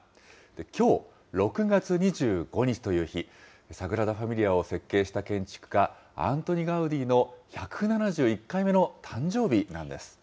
きょう６月２５日という日、サグラダ・ファミリアを設計した建築家、アントニ・ガウディの１７１回目の誕生日なんです。